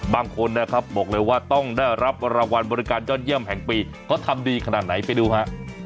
บางคนนะครับบอกเลยว่าต้องได้รับรางวัลบริการยอดเยี่ยมแห่งปีเขาทำดีขนาดไหนไปดูฮะ